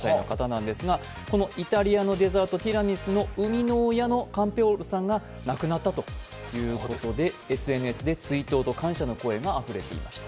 イタリアのデザート、ティラミスの生みの親ということでＳＮＳで追悼と感謝の声があふれていました。